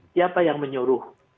siapa yang menyuruh